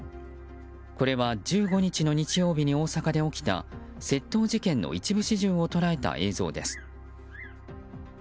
これは１５日の日曜日に大阪で起きた窃盗事件の一部始終を捉えた映像です。